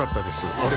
あれ